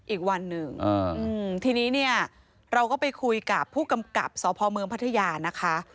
อีกวันหนึ่งทีนี้เนี่ยเราก็ไปคุยกับผู้กำกับสพเมืองพัทยานะคะ